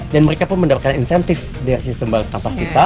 dan mereka mendapatkan insentif dari sistem balai sampah kita